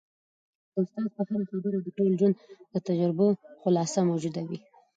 د استاد په هره خبره کي د ټول ژوند د تجربو خلاصه موجوده وي.